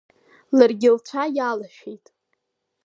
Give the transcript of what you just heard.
Ларгьы лцәа иалашәеит.